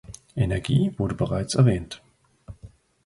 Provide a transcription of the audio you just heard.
Energie wurde bereits erwähnt.